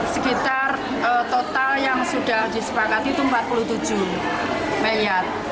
sekitar total yang sudah disepakati itu rp empat puluh tujuh miliar